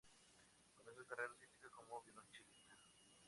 Comenzó su carrera artística como violonchelista.